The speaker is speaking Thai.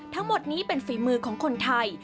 ทั้งหมดนี้เป็นฝีมือของคนไทย